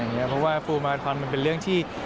เพราะว่าปูมารทรมันเป็นเรื่องที่